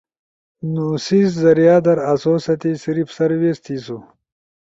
نو سیس ذریعہ در آسو ستی صرف سروس تھیسو۔